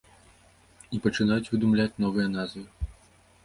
І пачынаюць выдумляць новыя назвы.